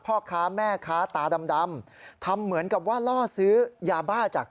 โรงพักโรงพักโรงพักโรงพัก